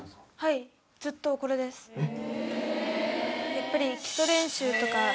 やっぱり。